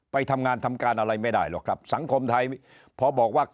ไปทำงานทำการอะไรไม่ได้หรอกครับสังคมไทยพอบอกว่า